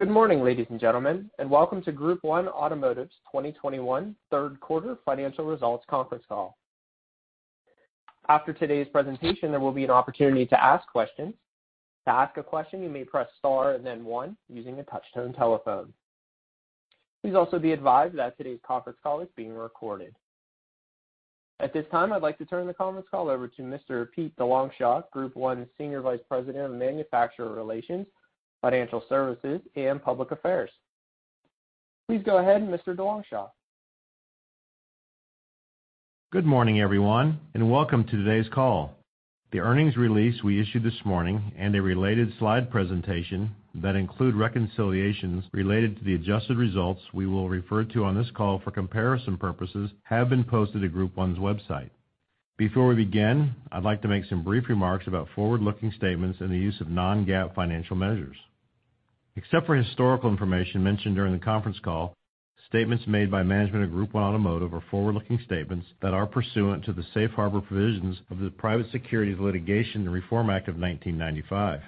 Good morning, ladies and gentlemen, and welcome to Group 1 Automotive's 2021 Third Quarter Financial Results Conference Call. After today's presentation, there will be an opportunity to ask questions. To ask a question, you may press star and then one using a touch-tone telephone. Please also be advised that today's conference call is being recorded. At this time, I'd like to turn the conference call over to Mr. Pete DeLongchamps, Group 1's Senior Vice President of Manufacturer Relations, Financial Services, and Public Affairs. Please go ahead, Mr. DeLongchamps. Good morning, everyone, and welcome to today's call. The earnings release we issued this morning and a related slide presentation that include reconciliations related to the adjusted results we will refer to on this call for comparison purposes have been posted to Group 1's website. Before we begin, I'd like to make some brief remarks about forward-looking statements and the use of non-GAAP financial measures. Except for historical information mentioned during the conference call, statements made by management of Group 1 Automotive are forward-looking statements that are pursuant to the safe harbor provisions of the Private Securities Litigation Reform Act of 1995.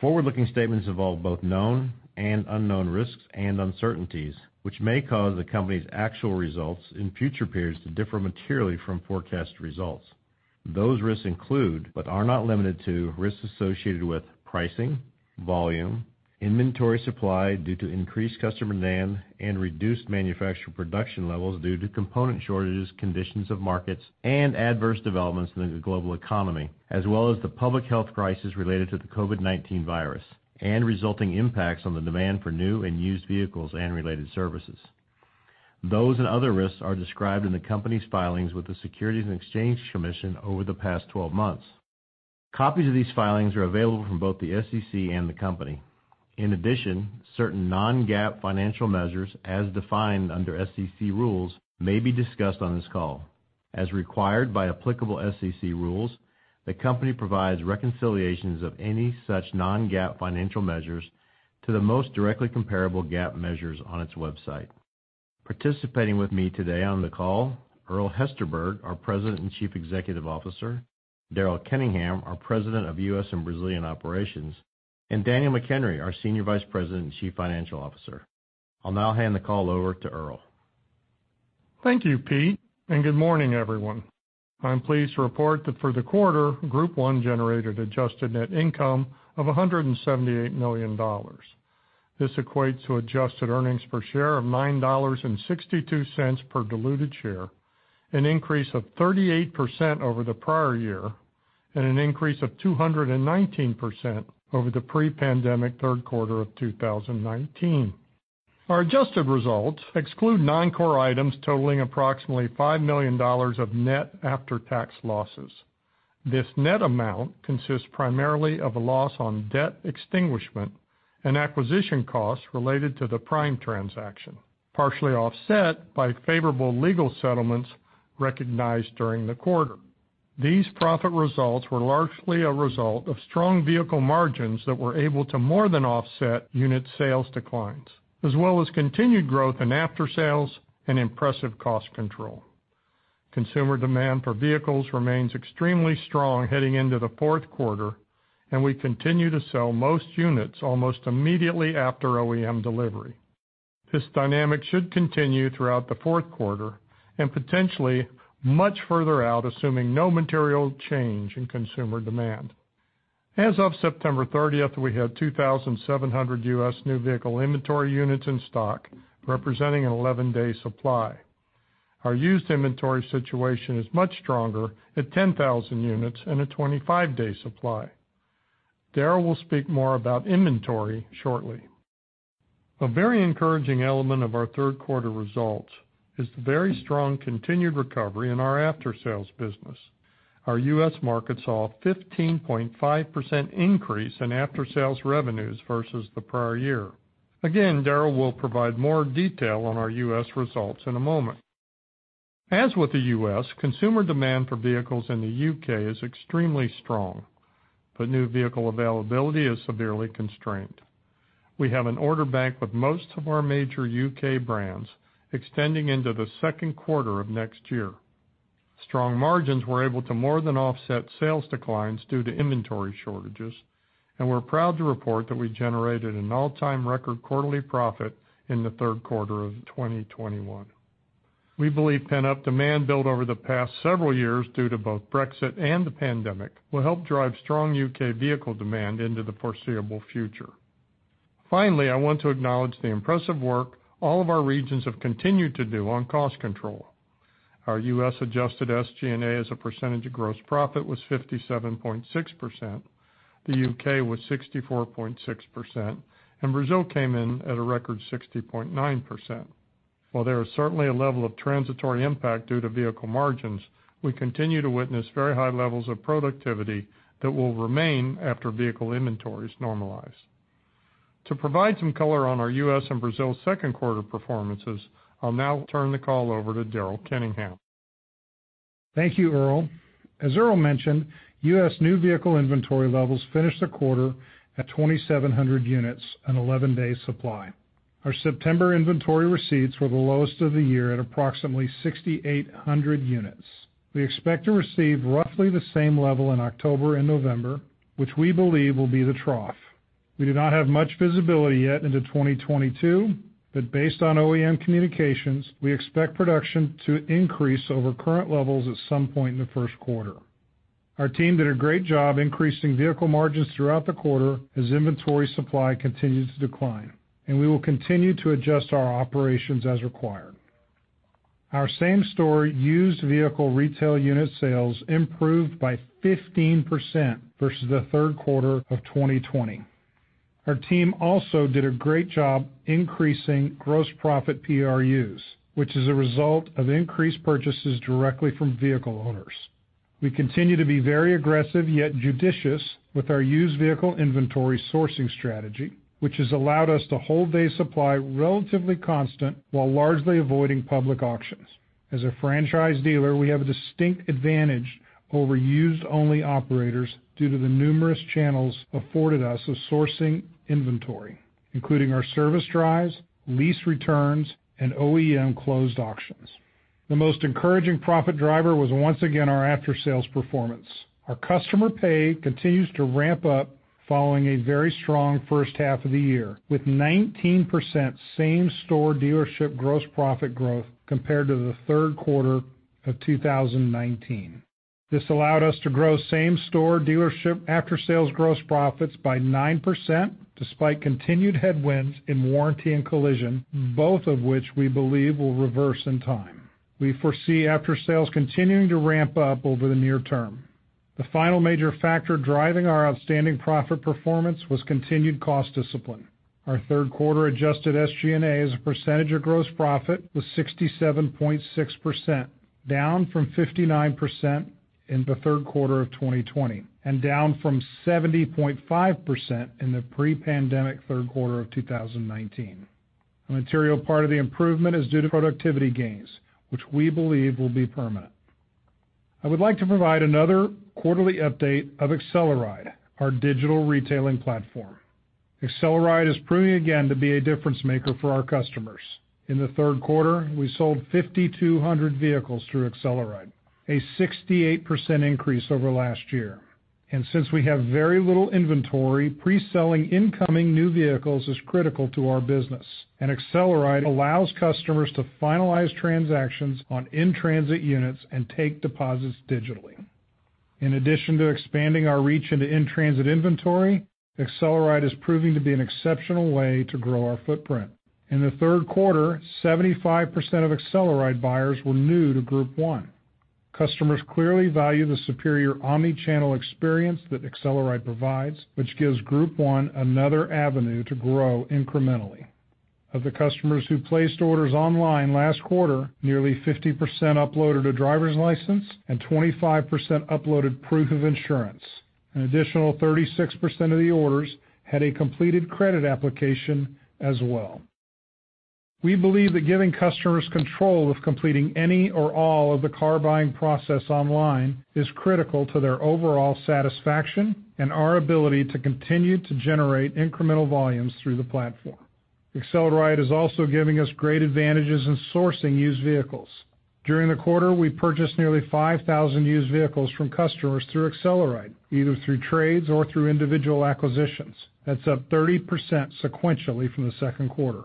Forward-looking statements involve both known and unknown risks and uncertainties, which may cause the company's actual results in future periods to differ materially from forecasted results. Those risks include, but are not limited to, risks associated with pricing, volume, inventory supply due to increased customer demand and reduced manufacturer production levels due to component shortages, conditions of markets, and adverse developments in the global economy, as well as the public health crisis related to the COVID-19 virus and resulting impacts on the demand for new and used vehicles and related services. Those and other risks are described in the company's filings with the Securities and Exchange Commission over the past 12 months. Copies of these filings are available from both the SEC and the company. In addition, certain non-GAAP financial measures, as defined under SEC rules, may be discussed on this call. As required by applicable SEC rules, the company provides reconciliations of any such non-GAAP financial measures to the most directly comparable GAAP measures on its website. Participating with me today on the call, Earl Hesterberg, our President and Chief Executive Officer, Daryl Kenningham, our President of U.S. and Brazilian Operations, and Daniel McHenry, our Senior Vice President and Chief Financial Officer. I'll now hand the call over to Earl. Thank you, Pete, and good morning, everyone. I'm pleased to report that for the quarter, Group 1 generated adjusted net income of $178 million. This equates to adjusted earnings per share of $9.62 per diluted share, an increase of 38% over the prior year and an increase of 219% over the pre-pandemic third quarter of 2019. Our adjusted results exclude non-core items totaling approximately $5 million of net after-tax losses. This net amount consists primarily of a loss on debt extinguishment and acquisition costs related to the Prime transaction, partially offset by favorable legal settlements recognized during the quarter. These profit results were largely a result of strong vehicle margins that were able to more than offset unit sales declines, as well as continued growth in after-sales and impressive cost control. Consumer demand for vehicles remains extremely strong heading into the fourth quarter, and we continue to sell most units almost immediately after OEM delivery. This dynamic should continue throughout the fourth quarter and potentially much further out, assuming no material change in consumer demand. As of September 30th, we had 2,700 U.S. new vehicle inventory units in stock, representing an 11-day supply. Our used inventory situation is much stronger at 10,000 units and a 25-day supply. Daryl will speak more about inventory shortly. A very encouraging element of our third quarter results is the very strong continued recovery in our after-sales business. Our U.S. market saw a 15.5% increase in after-sales revenues versus the prior year. Again, Daryl will provide more detail on our U.S. results in a moment. As with the U.S., consumer demand for vehicles in the U.K. is extremely strong, but new vehicle availability is severely constrained. We have an order bank with most of our major U.K. brands extending into the second quarter of next year. Strong margins were able to more than offset sales declines due to inventory shortages, and we're proud to report that we generated an all-time record quarterly profit in the third quarter of 2021. We believe pent-up demand built over the past several years due to both Brexit and the pandemic will help drive strong U.K. vehicle demand into the foreseeable future. Finally, I want to acknowledge the impressive work all of our regions have continued to do on cost control. Our U.S. adjusted SG&A as a percentage of gross profit was 57.6%, the U.K. was 64.6%, and Brazil came in at a record 60.9%. While there is certainly a level of transitory impact due to vehicle margins, we continue to witness very high levels of productivity that will remain after vehicle inventories normalize. To provide some color on our U.S. and Brazil second quarter performances, I'll now turn the call over to Daryl Kenningham. Thank you, Earl. As Earl mentioned, U.S. new vehicle inventory levels finished the quarter at 2,700 units, an 11-day supply. Our September inventory receipts were the lowest of the year at approximately 6,800 units. We expect to receive roughly the same level in October and November, which we believe will be the trough. We do not have much visibility yet into 2022, but based on OEM communications, we expect production to increase over current levels at some point in the first quarter. Our team did a great job increasing vehicle margins throughout the quarter as inventory supply continues to decline, and we will continue to adjust our operations as required. Our same-store used vehicle retail unit sales improved by 15% versus the third quarter of 2020. Our team also did a great job increasing gross profit PRUs, which is a result of increased purchases directly from vehicle owners. We continue to be very aggressive yet judicious with our used vehicle inventory sourcing strategy, which has allowed us to hold day supply relatively constant while largely avoiding public auctions. As a franchise dealer, we have a distinct advantage over used-only operators due to the numerous channels afforded us of sourcing inventory, including our service drives, lease returns, and OEM closed auctions. The most encouraging profit driver was once again our after-sales performance. Our customer pay continues to ramp up following a very strong first half of the year, with 19% same-store dealership gross profit growth compared to the third quarter of 2019. This allowed us to grow same-store dealership after-sales gross profits by 9% despite continued headwinds in warranty and collision, both of which we believe will reverse in time. We foresee after-sales continuing to ramp up over the near term. The final major factor driving our outstanding profit performance was continued cost discipline. Our third quarter adjusted SG&A as a percentage of gross profit was 67.6%, down from 59% in the third quarter of 2020 and down from 70.5% in the pre-pandemic third quarter of 2019. A material part of the improvement is due to productivity gains, which we believe will be permanent. I would like to provide another quarterly update of AcceleRide, our digital retailing platform. AcceleRide is proving again to be a difference-maker for our customers. In the third quarter, we sold 5,200 vehicles through AcceleRide, a 68% increase over last year. Since we have very little inventory, pre-selling incoming new vehicles is critical to our business, and AcceleRide allows customers to finalize transactions on in-transit units and take deposits digitally. In addition to expanding our reach into in-transit inventory, AcceleRide is proving to be an exceptional way to grow our footprint. In the third quarter, 75% of AcceleRide buyers were new to Group 1. Customers clearly value the superior omni-channel experience that AcceleRide provides, which gives Group 1 another avenue to grow incrementally. Of the customers who placed orders online last quarter, nearly 50% uploaded a driver's license and 25% uploaded proof of insurance. An additional 36% of the orders had a completed credit application as well. We believe that giving customers control of completing any or all of the car-buying process online is critical to their overall satisfaction and our ability to continue to generate incremental volumes through the platform. AcceleRide is also giving us great advantages in sourcing used vehicles. During the quarter, we purchased nearly 5,000 used vehicles from customers through AcceleRide, either through trades or through individual acquisitions. That's up 30% sequentially from the second quarter.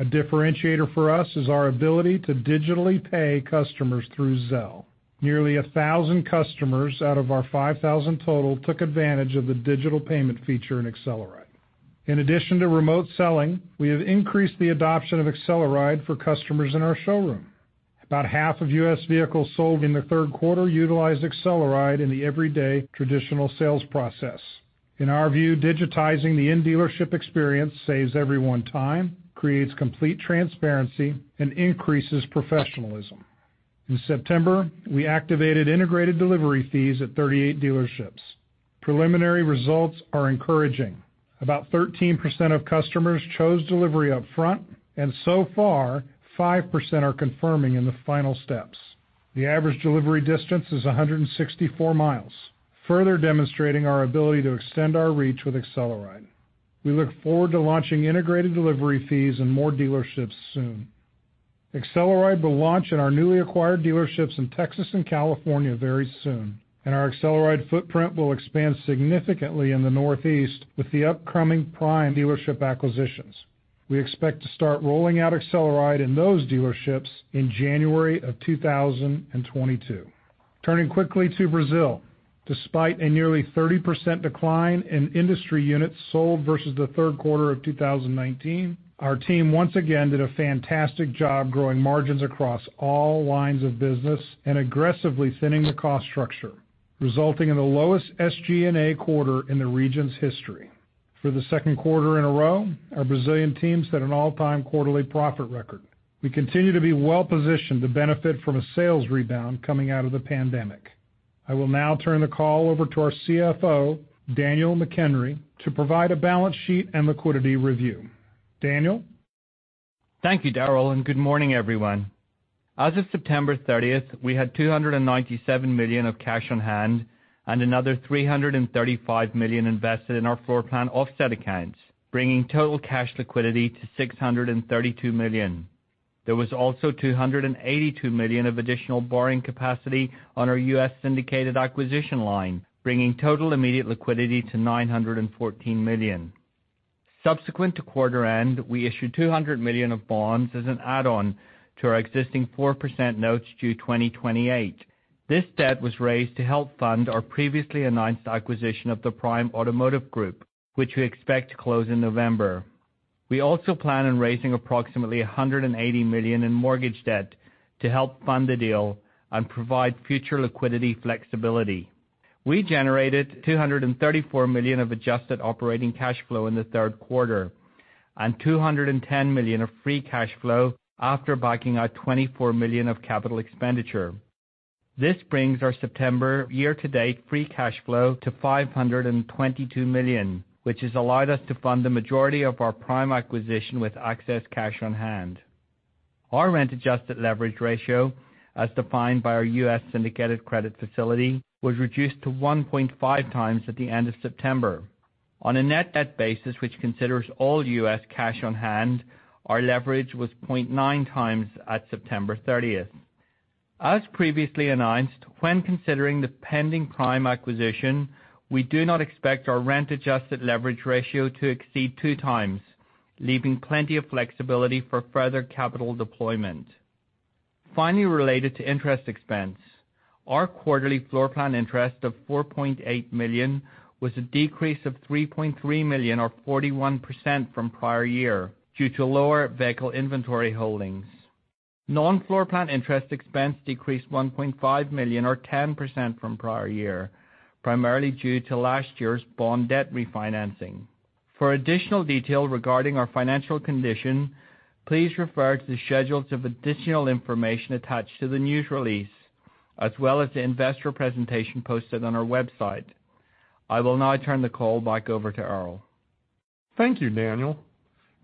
A differentiator for us is our ability to digitally pay customers through Zelle. Nearly 1,000 customers out of our 5,000 total took advantage of the digital payment feature in AcceleRide. In addition to remote selling, we have increased the adoption of AcceleRide for customers in our showroom. About half of U.S. vehicles sold in the third quarter utilized AcceleRide in the everyday traditional sales process. In our view, digitizing the in-dealership experience saves everyone time, creates complete transparency, and increases professionalism. In September, we activated integrated delivery fees at 38 dealerships. Preliminary results are encouraging. About 13% of customers chose delivery up front, and so far, 5% are confirming in the final steps. The average delivery distance is 164 miles, further demonstrating our ability to extend our reach with AcceleRide. We look forward to launching integrated delivery fees in more dealerships soon. AcceleRide will launch in our newly acquired dealerships in Texas and California very soon, and our AcceleRide footprint will expand significantly in the Northeast with the upcoming Prime dealership acquisitions. We expect to start rolling out AcceleRide in those dealerships in January of 2022. Turning quickly to Brazil, despite a nearly 30% decline in industry units sold versus the third quarter of 2019, our team once again did a fantastic job growing margins across all lines of business and aggressively thinning the cost structure, resulting in the lowest SG&A quarter in the region's history. For the second quarter in a row, our Brazilian team set an all-time quarterly profit record. We continue to be well-positioned to benefit from a sales rebound coming out of the pandemic. I will now turn the call over to our CFO, Daniel McHenry, to provide a balance sheet and liquidity review. Daniel? Thank you, Daryl, and good morning, everyone. As of September 30th, we had $297 million of cash on hand and another $335 million invested in our floor plan offset accounts, bringing total cash liquidity to $632 million. There was also $282 million of additional borrowing capacity on our U.S. syndicated acquisition line, bringing total immediate liquidity to $914 million. Subsequent to quarter end, we issued $200 million of bonds as an add-on to our existing 4% notes due 2028. This debt was raised to help fund our previously announced acquisition of the Prime Automotive Group, which we expect to close in November. We also plan on raising approximately $180 million in mortgage debt to help fund the deal and provide future liquidity flexibility. We generated $234 million of adjusted operating cash flow in the third quarter and $210 million of free cash flow after backing out $24 million of capital expenditure. This brings our September year-to-date free cash flow to $522 million, which has allowed us to fund the majority of our Prime acquisition with excess cash on hand. Our rent-adjusted leverage ratio, as defined by our U.S. syndicated credit facility, was reduced to 1.5 times at the end of September. On a net-debt basis, which considers all U.S. cash on hand, our leverage was 0.9 times at September 30th. As previously announced, when considering the pending Prime acquisition, we do not expect our rent-adjusted leverage ratio to exceed 2x, leaving plenty of flexibility for further capital deployment. Finally, related to interest expense, our quarterly floor plan interest of $4.8 million was a decrease of $3.3 million or 41% from prior year due to lower vehicle inventory holdings. Non-floor plan interest expense decreased $1.5 million or 10% from prior year, primarily due to last year's bond debt refinancing. For additional detail regarding our financial condition, please refer to the schedules of additional information attached to the news release, as well as the investor presentation posted on our website. I will now turn the call back over to Earl. Thank you, Daniel.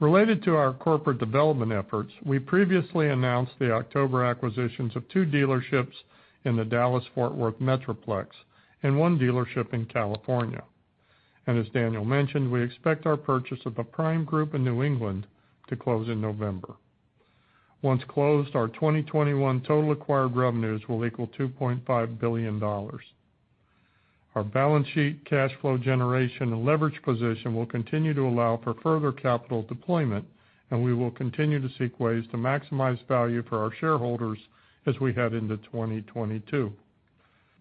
Related to our corporate development efforts, we previously announced the October acquisitions of two dealerships in the Dallas-Fort Worth Metroplex and one dealership in California. As Daniel mentioned, we expect our purchase of the Prime Group in New England to close in November. Once closed, our 2021 total acquired revenues will equal $2.5 billion. Our balance sheet, cash flow generation, and leverage position will continue to allow for further capital deployment, and we will continue to seek ways to maximize value for our shareholders as we head into 2022.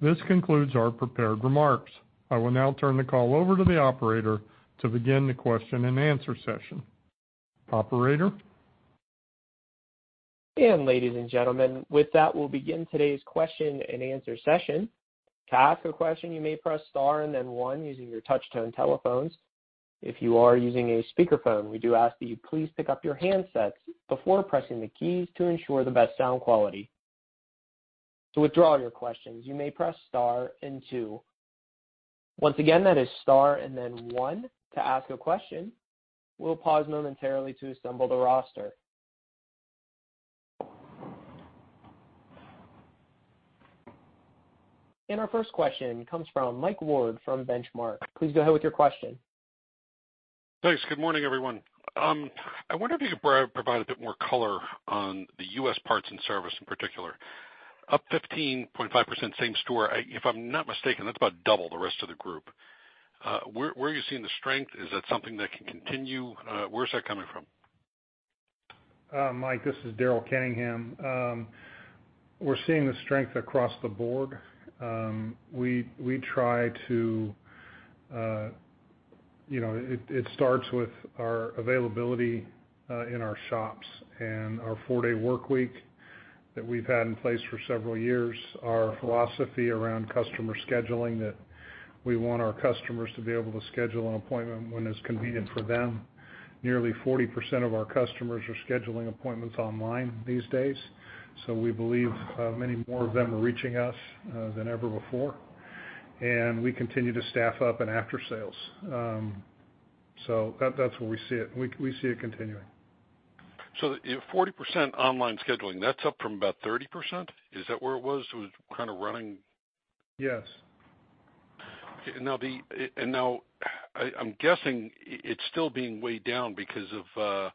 This concludes our prepared remarks. I will now turn the call over to the operator to begin the question-and-answer session. Operator? Ladies and gentlemen, with that we'll begin today's question-and-answer session. To ask a question you may press star and then one using your touch-tone telephones. If you are using a speakerphone, we do ask that you please pick up your handsets before pressing the keys to ensure the best sound quality. To withdraw your questions, you may press star and two. Once again, that is star and then one to ask a question. We'll pause momentarily to assemble the roster. Our first question comes from Mike Ward from Benchmark. Please go ahead with your question. Thanks. Good morning, everyone. I wonder if you could provide a bit more color on the U.S. parts and service in particular. Up 15.5% same store. If I'm not mistaken, that's about double the rest of the group. Where are you seeing the strength? Is that something that can continue? Where's that coming from? Mike, this is Daryl Kenningham. We're seeing the strength across the board. We try to, you know, it starts with our availability in our shops and our four-day workweek that we've had in place for several years, our philosophy around customer scheduling, that we want our customers to be able to schedule an appointment when it's convenient for them. Nearly 40% of our customers are scheduling appointments online these days, so we believe many more of them are reaching us than ever before. We continue to staff up in after sales. So that's where we see it, and we see it continuing. 40% online scheduling, that's up from about 30%? Is that where it was? It was kind of running- Yes. Okay. Now I'm guessing it's still being weighed down because of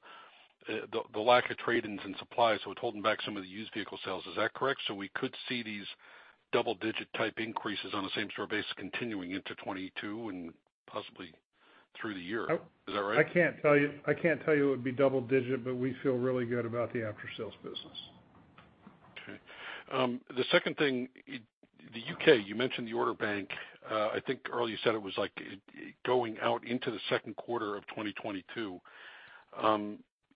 the lack of trade-ins and supply, so it's holding back some of the used vehicle sales. Is that correct? We could see these double-digit type increases on the same store base continuing into 2022 and possibly through the year. Oh- Is that right? I can't tell you it would be double digit, but we feel really good about the after sales business. Okay. The second thing, the U.K., you mentioned the order bank. I think, Earl, you said it was like going out into the second quarter of 2022.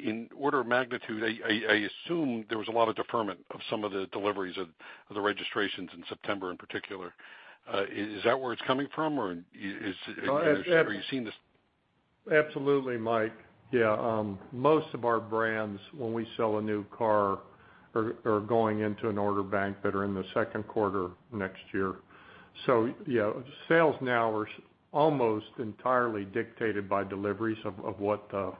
In order of magnitude, I assume there was a lot of deferment of some of the deliveries of the registrations in September in particular. Is that where it's coming from? Or is- No, ab-ab- Are you seeing this? Absolutely, Mike. Yeah, most of our brands when we sell a new car are going into an order bank that are in the second quarter next year. You know, sales now are almost entirely dictated by deliveries of what the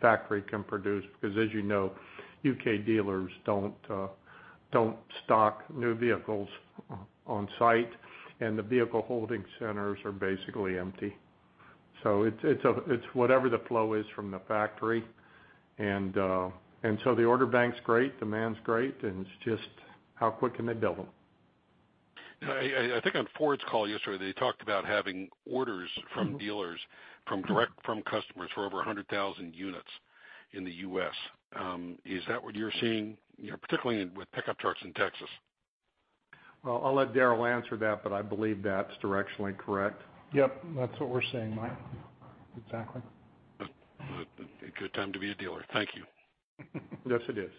factory can produce because as you know, U.K. dealers don't stock new vehicles on site, and the vehicle holding centers are basically empty. It's whatever the flow is from the factory. The order bank's great, demand's great, and it's just how quick can they build them. I think on Ford's call yesterday, they talked about having orders direct from customers for over 100,000 units in the U.S. Is that what you're seeing, you know, particularly with pickup trucks in Texas? Well, I'll let Daryl answer that, but I believe that's directionally correct. Yep, that's what we're seeing, Mike. Exactly. Good time to be a dealer. Thank you. Yes, it is.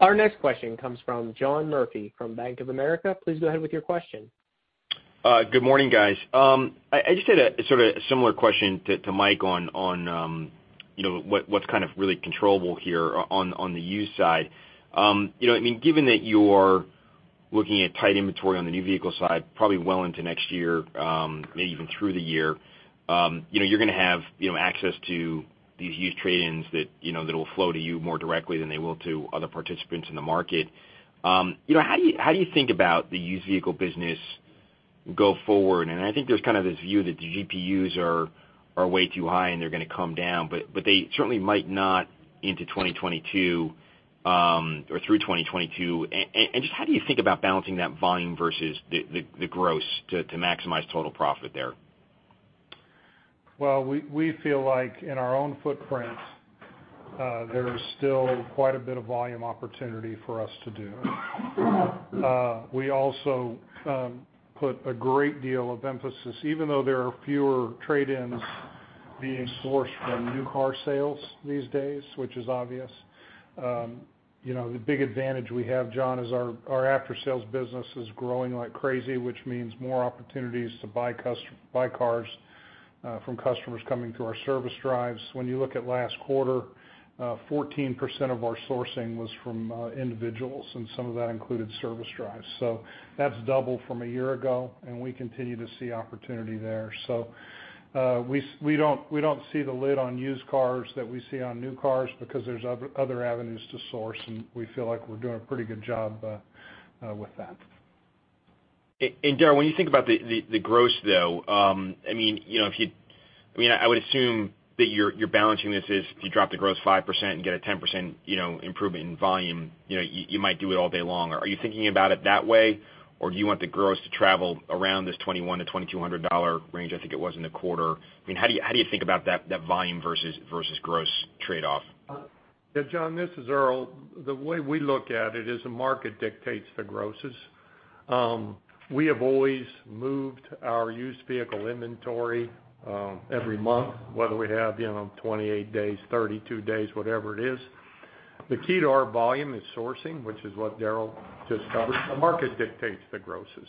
Our next question comes from John Murphy from Bank of America. Please go ahead with your question. Good morning, guys. I just had a sort of similar question to Mike on, you know, what's kind of really controllable here on the used side. You know, I mean, given that you're looking at tight inventory on the new vehicle side, probably well into next year, maybe even through the year, you know, you're gonna have, you know, access to these huge trade-ins that will flow to you more directly than they will to other participants in the market. You know, how do you think about the used vehicle business going forward? I think there's kind of this view that the GPUs are way too high and they're gonna come down, but they certainly might not into 2022 or through 2022. Just how do you think about balancing that volume versus the gross to maximize total profit there? Well, we feel like in our own footprint, there is still quite a bit of volume opportunity for us to do. We also put a great deal of emphasis, even though there are fewer trade-ins being sourced from new car sales these days, which is obvious. You know, the big advantage we have, John, is our after-sales business is growing like crazy, which means more opportunities to buy cars from customers coming through our service drives. When you look at last quarter, 14% of our sourcing was from individuals, and some of that included service drives. That's double from a year ago, and we continue to see opportunity there. We don't see the lid on used cars that we see on new cars because there's other avenues to source, and we feel like we're doing a pretty good job with that. Daryl, when you think about the gross though, I mean, you know, if you I mean, I would assume that you're balancing this as if you drop the gross 5% and get a 10% improvement in volume, you know, you might do it all day long. Are you thinking about it that way, or do you want the gross to travel around this $2,100-$2,200 range, I think it was in the quarter? I mean, how do you think about that volume versus gross trade-off? Yeah, John, this is Earl. The way we look at it is the market dictates the grosses. We have always moved our used vehicle inventory every month, whether we have, you know, 28 days, 32 days, whatever it is. The key to our volume is sourcing, which is what Darrell just covered. The market dictates the grosses.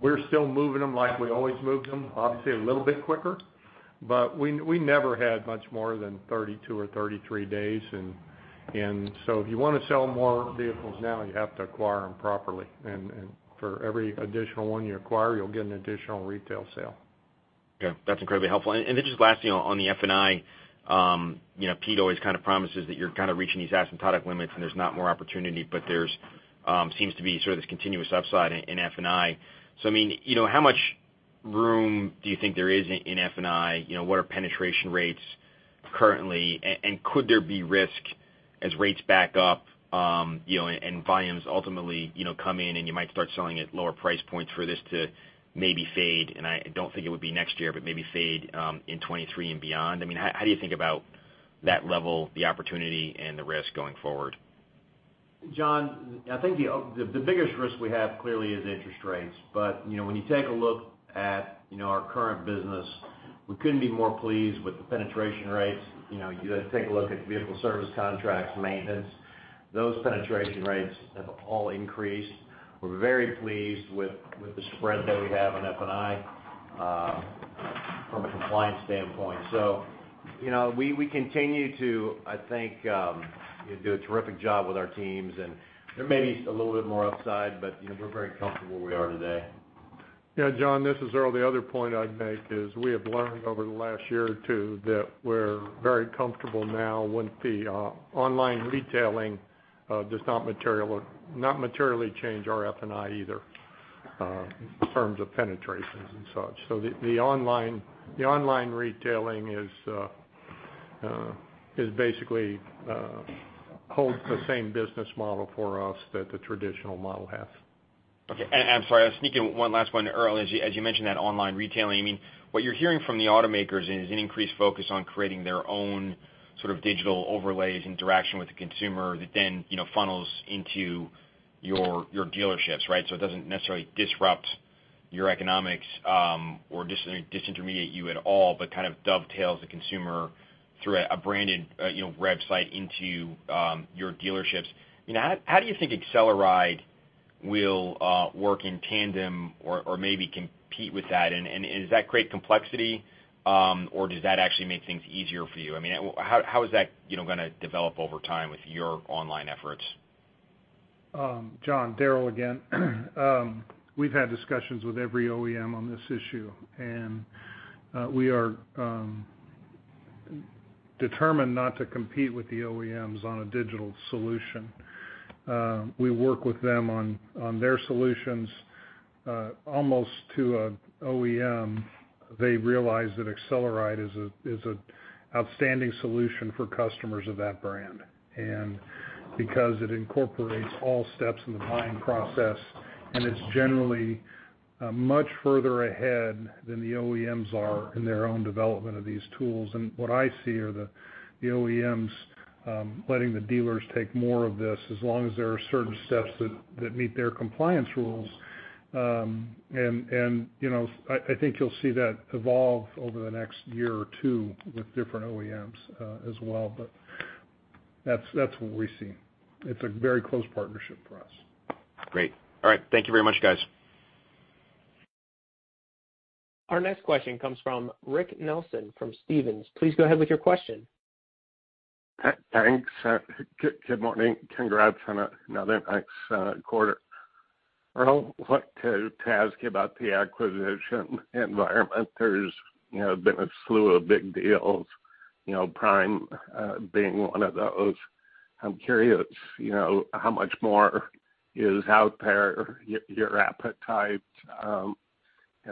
We're still moving them like we always move them, obviously a little bit quicker, but we never had much more than 32 or 33 days. If you wanna sell more vehicles now, you have to acquire them properly. For every additional one you acquire, you'll get an additional retail sale. Okay, that's incredibly helpful. Just lastly on the F&I, you know, Pete always kind of promises that you're kind of reaching these asymptotic limits and there's no more opportunity, but there seems to be sort of this continuous upside in F&I. I mean, you know, how much room do you think there is in F&I? You know, what are penetration rates currently? And could there be risk as rates back up, you know, and volumes ultimately, you know, come in and you might start selling at lower price points for this to maybe fade? I don't think it would be next year, but maybe fade in 2023 and beyond. I mean, how do you think about that level, the opportunity and the risk going forward? John, I think the biggest risk we have clearly is interest rates. You know, when you take a look at, you know, our current business, we couldn't be more pleased with the penetration rates. You know, you take a look at vehicle service contracts, maintenance, those penetration rates have all increased. We're very pleased with the spread that we have on F&I from a compliance standpoint. You know, we continue to, I think, do a terrific job with our teams, and there may be a little bit more upside, but, you know, we're very comfortable where we are today. Yeah, John, this is Earl. The other point I'd make is we have learned over the last year or two that we're very comfortable now with the online retailing does not materially change our F&I either in terms of penetrations and such. The online retailing is basically holds the same business model for us that the traditional model has. Okay. I'm sorry, I'll sneak in one last one, Earl. As you mentioned that online retailing, I mean, what you're hearing from the automakers is an increased focus on creating their own sort of digital overlays, interaction with the consumer that then, you know, funnels into your dealerships, right? It doesn't necessarily disrupt your economics or disintermediate you at all, but kind of dovetails the consumer through a branded, you know, website into your dealerships. You know, how do you think AcceleRide Will work in tandem or maybe compete with that. Does that create complexity or does that actually make things easier for you? I mean, how is that, you know, gonna develop over time with your online efforts? John, Daryl again. We've had discussions with every OEM on this issue, and we are determined not to compete with the OEMs on a digital solution. We work with them on their solutions. Almost to an OEM, they realize that AcceleRide is an outstanding solution for customers of that brand, and because it incorporates all steps in the buying process, and it's generally much further ahead than the OEMs are in their own development of these tools. What I see are the OEMs letting the dealers take more of this as long as there are certain steps that meet their compliance rules. You know, I think you'll see that evolve over the next year or two with different OEMs as well. That's what we see. It's a very close partnership for us. Great. All right. Thank you very much, guys. Our next question comes from Rick Nelson from Stephens. Please go ahead with your question. Thanks. Good morning. Congrats on another nice quarter. Earl, I want to ask you about the acquisition environment. There's, you know, been a slew of big deals, you know, Prime being one of those. I'm curious, you know, how much more is out there, your appetite, and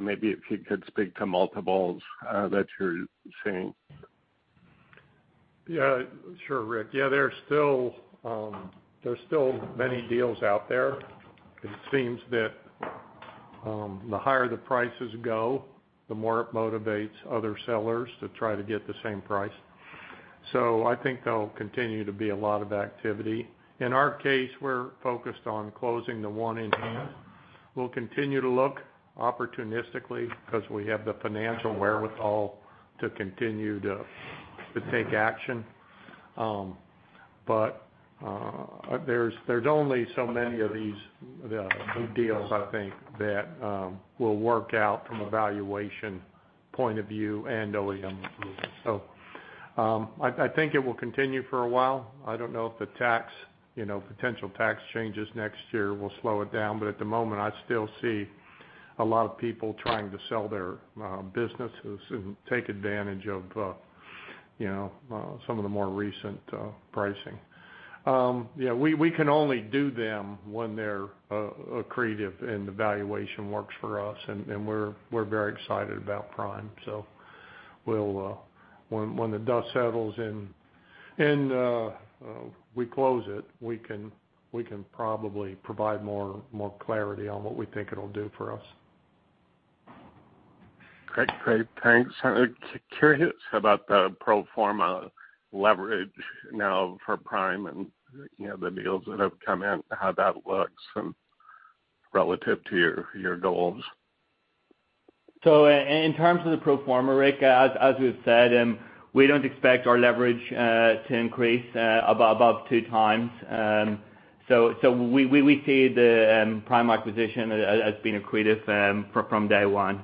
maybe if you could speak to multiples that you're seeing. Yeah, sure, Rick. Yeah, there's still many deals out there. It seems that the higher the prices go, the more it motivates other sellers to try to get the same price. I think there'll continue to be a lot of activity. In our case, we're focused on closing the one in hand. We'll continue to look opportunistically because we have the financial wherewithal to continue to take action. There's only so many of these deals, I think, that will work out from a valuation point of view and OEM approval. I think it will continue for a while. I don't know if the tax you know potential tax changes next year will slow it down. At the moment, I still see a lot of people trying to sell their businesses and take advantage of, you know, some of the more recent pricing. Yeah, we can only do them when they're accretive and the valuation works for us, and we're very excited about Prime. We'll, when the dust settles and we close it, we can probably provide more clarity on what we think it'll do for us. Great. Thanks. I'm curious about the pro forma leverage now for Prime and, you know, the deals that have come in, how that looks and relative to your goals. In terms of the pro forma, Rick, as we've said, we don't expect our leverage to increase above 2x. We see the Prime acquisition as being accretive from day one.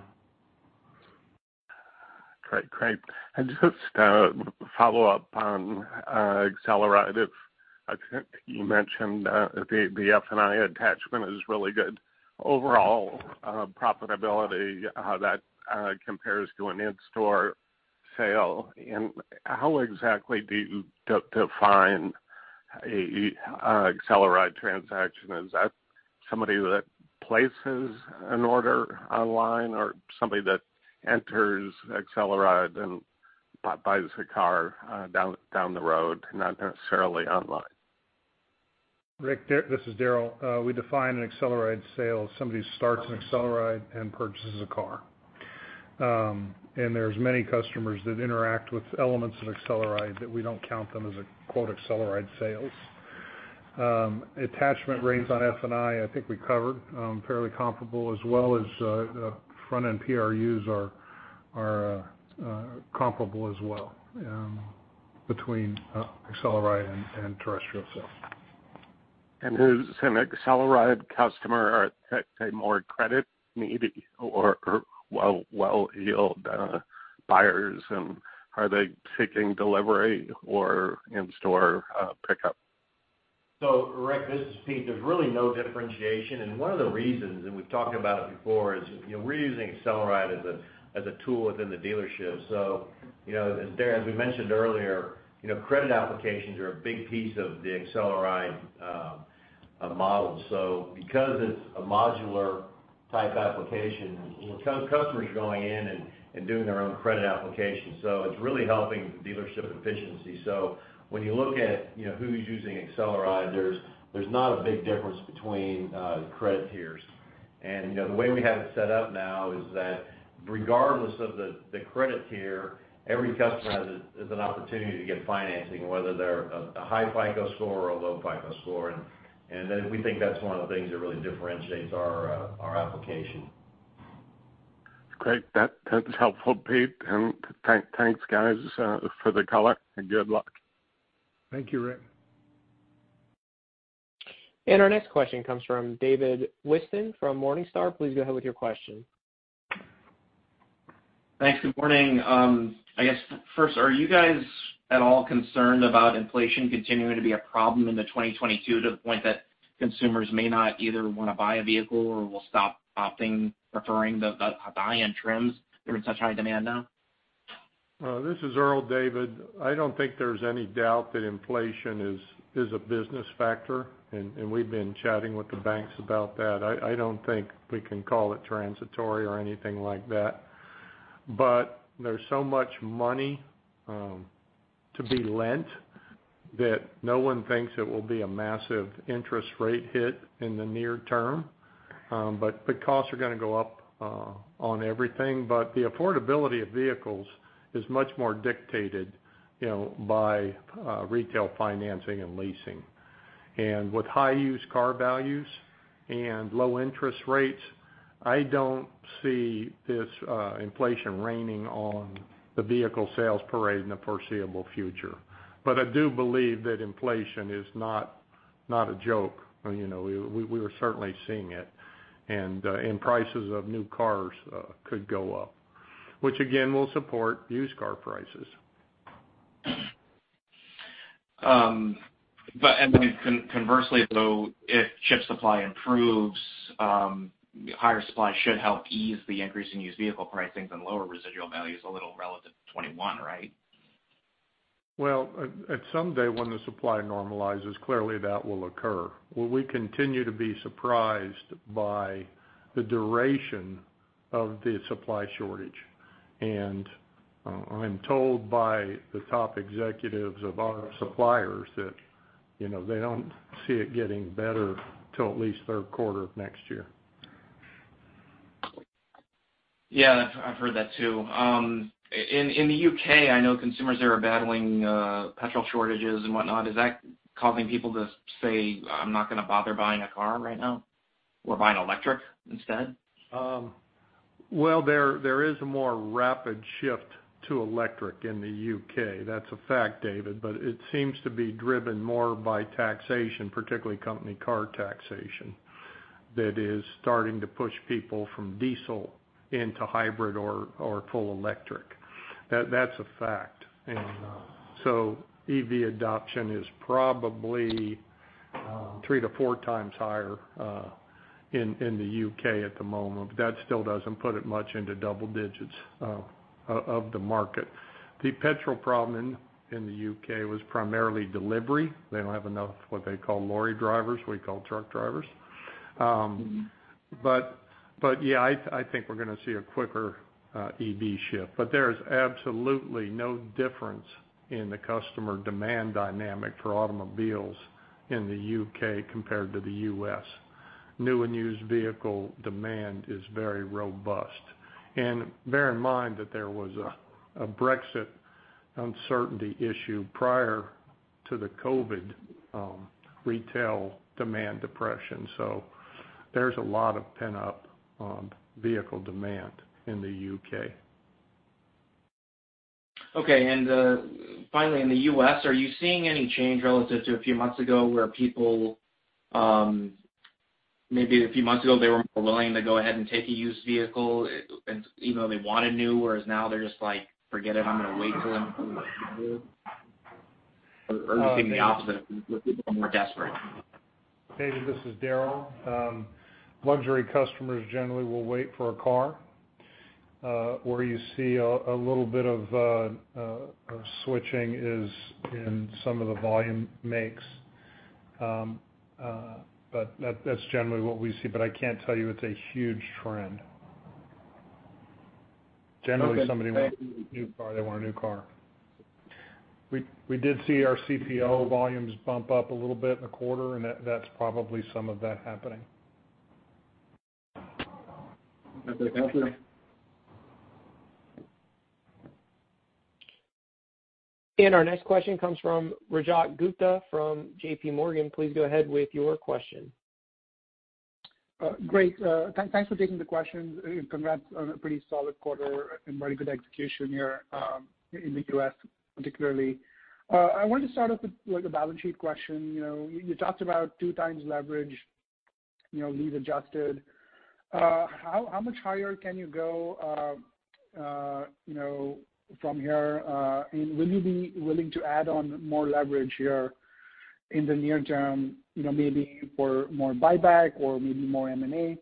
Great. Just a follow-up on AcceleRide. I think you mentioned the F&I attachment is really good. Overall profitability, how that compares to an in-store sale, and how exactly do you define a AcceleRide transaction? Is that somebody that places an order online or somebody that enters AcceleRide then buys the car down the road, not necessarily online? Rick, this is Darrell. We define an AcceleRide sale as somebody who starts an AcceleRide and purchases a car. There's many customers that interact with elements of AcceleRide that we don't count them as a quote AcceleRide sales. Attachment rates on F&I think we covered, fairly comparable as well as the front-end PRUs are comparable as well, between AcceleRide and terrestrial sales. Who's an AcceleRide customer? Are a more credit needy or well-heeled buyers? Are they taking delivery or in-store pickup? Rick, this is Pete. There's really no differentiation. One of the reasons, and we've talked about it before, is, you know, we're using AcceleRide as a tool within the dealership. You know, as we mentioned earlier, you know, credit applications are a big piece of the AcceleRide model. Because it's a modular type application, customers are going in and doing their own credit application. It's really helping the dealership efficiency. When you look at, you know, who's using AcceleRide, there's not a big difference between the credit tiers. You know, the way we have it set up now is that regardless of the credit tier, every customer has an opportunity to get financing, whether they're a high FICO score or a low FICO score. We think that's one of the things that really differentiates our application. Great. That's helpful, Pete, and thanks, guys, for the color and good luck. Thank you, Rick. Our next question comes from David Whiston from Morningstar. Please go ahead with your question. Thanks. Good morning. I guess first, are you guys at all concerned about inflation continuing to be a problem into 2022 to the point that consumers may not either wanna buy a vehicle or will stop opting, preferring the high-end trims that are in such high demand now? This is Earl, David. I don't think there's any doubt that inflation is a business factor, and we've been chatting with the banks about that. I don't think we can call it transitory or anything like that. There's so much money to be lent that no one thinks it will be a massive interest rate hit in the near term. The costs are gonna go up on everything. The affordability of vehicles is much more dictated, you know, by retail financing and leasing. With high used car values and low interest rates, I don't see this inflation raining on the vehicle sales parade in the foreseeable future. I do believe that inflation is not a joke. You know, we're certainly seeing it. Prices of new cars could go up, which again will support used car prices. Conversely though, if chip supply improves, higher supply should help ease the increase in used vehicle pricing and lower residual values a little relative to 2021, right? Well, at some day when the supply normalizes, clearly that will occur. What we continue to be surprised by the duration of the supply shortage. I'm told by the top executives of our suppliers that, you know, they don't see it getting better till at least third quarter of next year. Yeah. I've heard that too. In the U.K., I know consumers there are battling petrol shortages and whatnot. Is that causing people to say, "I'm not gonna bother buying a car right now, or buying electric instead? Well, there is a more rapid shift to electric in the U.K. That's a fact, David. It seems to be driven more by taxation, particularly company car taxation that is starting to push people from diesel into hybrid or full electric. That's a fact. So EV adoption is probably 3-4 times higher in the U.K. at the moment, but that still doesn't put it much into double digits of the market. The petrol problem in the U.K. was primarily delivery. They don't have enough, what they call lorry drivers, we call truck drivers. Yeah, I think we're gonna see a quicker EV shift. There is absolutely no difference in the customer demand dynamic for automobiles in the U.K. compared to the U.S. New and used vehicle demand is very robust. Bear in mind that there was a Brexit uncertainty issue prior to the COVID retail demand depression. There's a lot of pent-up vehicle demand in the U.K. Okay. Finally, in the U.S., are you seeing any change relative to a few months ago where people, maybe a few months ago, they were more willing to go ahead and take a used vehicle even though they wanted new, whereas now they're just like, "Forget it, I'm gonna wait till I can get new?" Or are you seeing the opposite, with people more desperate? David, this is Daryl. Luxury customers generally will wait for a car. Where you see a little bit of switching is in some of the volume makes. That's generally what we see, but I can't tell you it's a huge trend. Okay. Generally, if somebody wants a new car, they want a new car. We did see our CPO volumes bump up a little bit in the quarter, and that's probably some of that happening. Okay. Thank you. Our next question comes from Rajat Gupta from JPMorgan. Please go ahead with your question. Great. Thanks for taking the questions, and congrats on a pretty solid quarter and very good execution here, in the U.S. particularly. I wanted to start off with like a balance sheet question. You know, you talked about two times leverage, you know, lease adjusted. How much higher can you go, you know, from here? And will you be willing to add on more leverage here in the near term, you know, maybe for more buyback or maybe more M&A?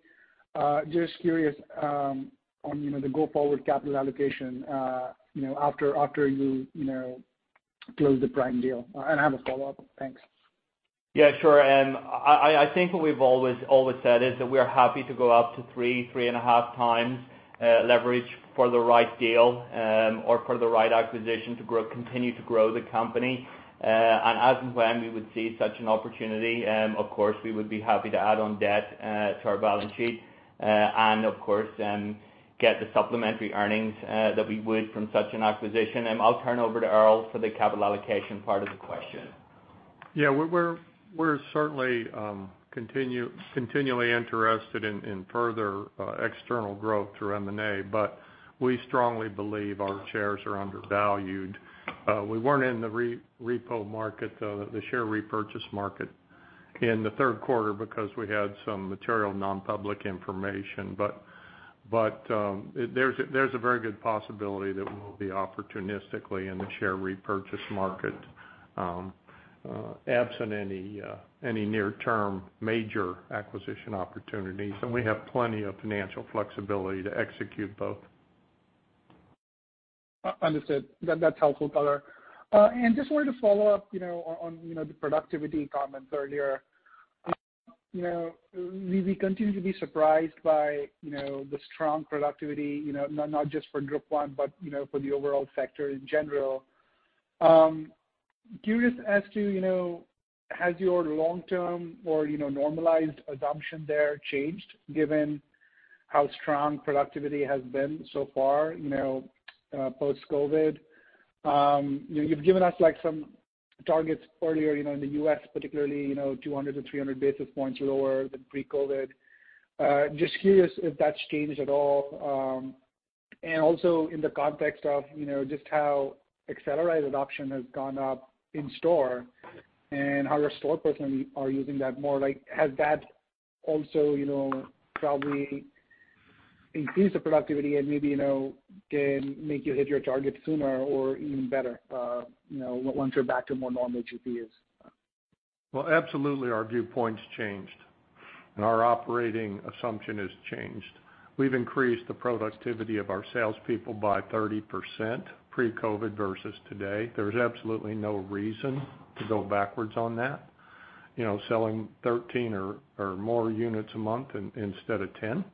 Just curious, on, you know, the go-forward capital allocation, you know, after you close the Prime deal. I have a follow-up. Thanks. Yeah, sure. I think what we've always said is that we're happy to go up to 3x-3.5x leverage for the right deal or for the right acquisition to continue to grow the company. As and when we would see such an opportunity, of course, we would be happy to add on debt to our balance sheet and of course get the supplementary earnings that we would from such an acquisition. I'll turn over to Earl for the capital allocation part of the question. Yeah, we're certainly continually interested in further external growth through M&A, but we strongly believe our shares are undervalued. We weren't in the repo market, the share repurchase market in the third quarter because we had some material non-public information. There's a very good possibility that we'll be opportunistically in the share repurchase market absent any near-term major acquisition opportunities. We have plenty of financial flexibility to execute both. Understood. That's helpful color. Just wanted to follow up, you know, on the productivity comments earlier. You know, we continue to be surprised by, you know, the strong productivity, you know, not just for Group 1, but, you know, for the overall sector in general. Curious as to, you know, has your long-term or, you know, normalized assumption there changed given how strong productivity has been so far, you know, post-COVID? You've given us like some targets earlier, you know, in the U.S. particularly, you know, 200-300 basis points lower than pre-COVID. Just curious if that's changed at all. And also in the context of, you know, just how AcceleRide adoption has gone up in store and how your store personnel are using that more. Like, has that also, you know, probably increased the productivity and maybe, you know, can make you hit your target sooner or even better, you know, once you're back to more normal GPUs? Well, absolutely our viewpoint's changed, and our operating assumption has changed. We've increased the productivity of our salespeople by 30% pre-COVID versus today. There's absolutely no reason to go backwards on that. You know, selling 13 or more units a month instead of 10.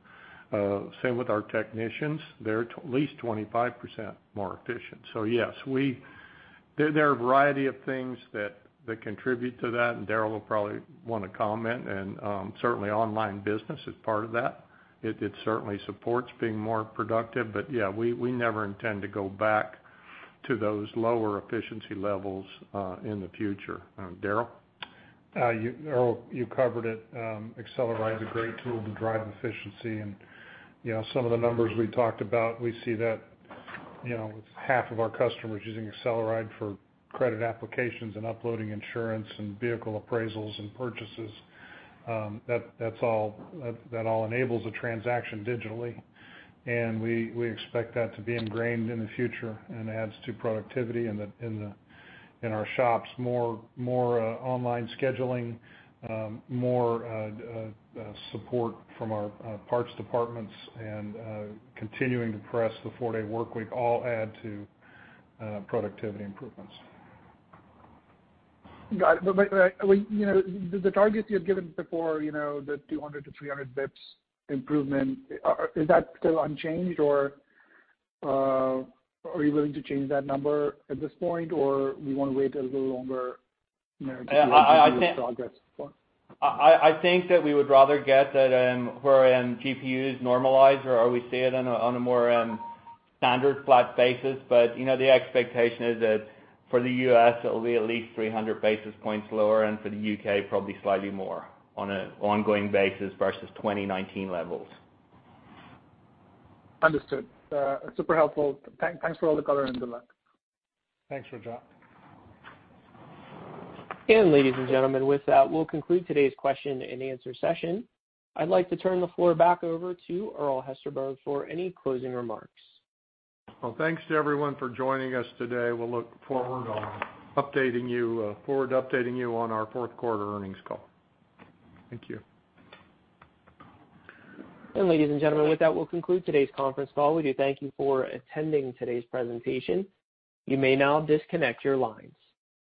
Same with our technicians. They're at least 25% more efficient. Yes, there are a variety of things that contribute to that, and Daryl will probably wanna comment. Certainly online business is part of that. It certainly supports being more productive. Yeah, we never intend to go back to those lower efficiency levels in the future. Daryl? Earl, you covered it. AcceleRide is a great tool to drive efficiency. You know, some of the numbers we talked about, we see that, you know, half of our customers using AcceleRide for credit applications and uploading insurance and vehicle appraisals and purchases, that's all that enables a transaction digitally. We expect that to be ingrained in the future and adds to productivity in our shops. More online scheduling, more support from our parts departments and continuing to press the four-day workweek all add to productivity improvements. Got it. You know, the targets you had given before, you know, the 200-300 BPS improvement, is that still unchanged or, are you willing to change that number at this point or we wanna wait a little longer, you know, to see what progress is for? I think that we would rather get that, wherein GPU is normalized or we see it on a more standard flat basis. You know, the expectation is that for the U.S., it'll be at least 300 basis points lower, and for the U.K., probably slightly more on an ongoing basis versus 2019 levels. Understood. Super helpful. Thanks for all the color and good luck. Thanks, Raja. Ladies and gentlemen, with that, we'll conclude today's question and answer session. I'd like to turn the floor back over to Earl Hesterberg for any closing remarks. Well, thanks to everyone for joining us today. We look forward to updating you on our fourth quarter earnings call. Thank you. Ladies and gentlemen, with that, we'll conclude today's conference call. We do thank you for attending today's presentation. You may now disconnect your lines.